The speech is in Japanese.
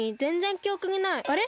あれ？